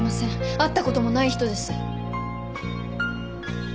会った事もない人です。